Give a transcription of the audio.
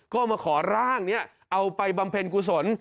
ก็มาขอร่างนี้เอาไปบำเพ็ญกุศล